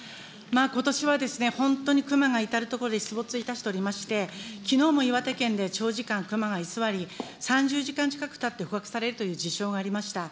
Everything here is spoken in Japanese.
ことしは本当に熊が至る所で出没いたしておりまして、きのうも岩手県で長時間、熊が居座り、３０時間近くたって捕獲されるという事象がありました。